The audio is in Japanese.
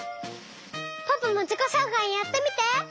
ポポもじこしょうかいやってみて！